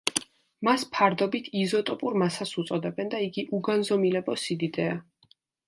მას ფარდობით იზოტოპურ მასას უწოდებენ და იგი უგანზომილებო სიდიდეა.